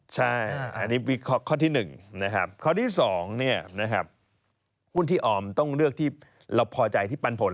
ใช่อันนี้ข้อที่๑นะครับข้อที่๒หุ้นที่ออมต้องเลือกที่เราพอใจที่ปันผล